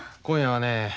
今夜はね